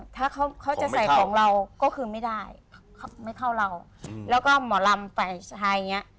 ถ้าเขาจะใส่ของเราก็คือไม่ได้ไม่เข้าเราแล้วก็หมอลำฝ่ายชายอย่างเงี้ย